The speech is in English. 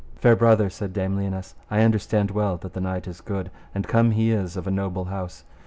Fair brother, said Dame Lionesse, I understand well that the knight is good, and come he is of a noble house.